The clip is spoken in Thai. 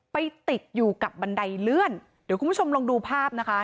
ไปติดอยู่กับบันไดเลื่อนเดี๋ยวคุณผู้ชมลองดูภาพนะคะ